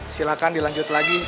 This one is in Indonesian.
silahkan dilanjut lagi